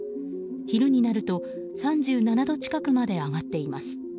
昼になると３７度近くまで上がっています。